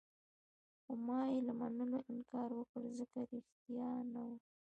خو ما يې له منلو انکار وکړ، ځکه ريښتیا نه وو.